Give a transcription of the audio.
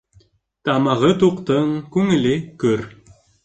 Тамағы туҡтың күңеле көр.